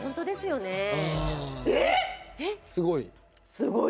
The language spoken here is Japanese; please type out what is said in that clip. すごい？